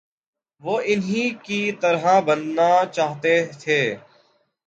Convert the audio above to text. وہ انہی کی طرح بننا چاہتے تھے۔